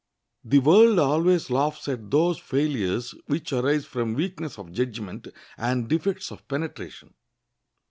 The world always laughs at those failures which arise from weakness of judgment and defects of penetration.